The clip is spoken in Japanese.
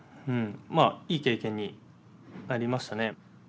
いい経験になりましたね。